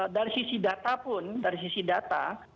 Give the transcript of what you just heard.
dari sisi data pun dari sisi data